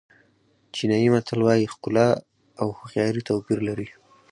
چینایي متل وایي ښکلا او هوښیاري توپیر لري.